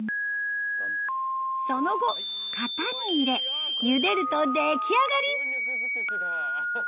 その後型に入れゆでると出来上がり。